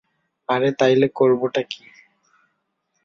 আরে তাইলে করবোটা কী?